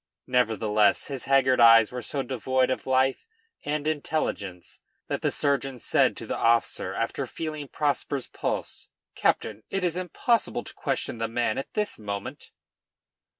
Nevertheless his haggard eyes were so devoid of life and intelligence that the surgeon said to the officer after feeling Prosper's pulse, "Captain, it is impossible to question the man at this moment."